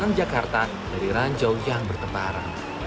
dalam jakarta dari ranjau yang bertempara